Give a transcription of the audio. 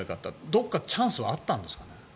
どこかチャンスはあったんですかね。